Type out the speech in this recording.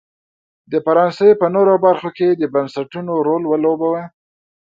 د فرانسې په نورو برخو کې یې د بنسټونو رول ولوباوه.